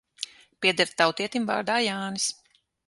Pieder tautietim vārdā Jānis.